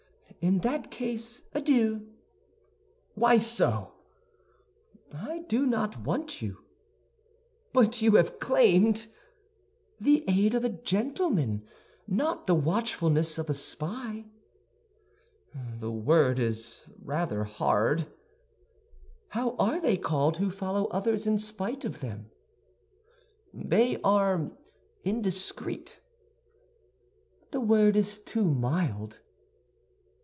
"In that case, adieu." "Why so?" "I do not want you." "But you have claimed—" "The aid of a gentleman, not the watchfulness of a spy." "The word is rather hard." "How are they called who follow others in spite of them?" "They are indiscreet." "The word is too mild."